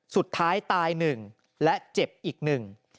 สุดท้ายตายหนึ่งและเจ็บอีกหนึ่ง